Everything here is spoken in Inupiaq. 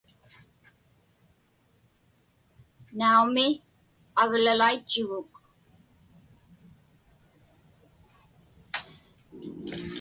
Naumi, aglalaitchuguk.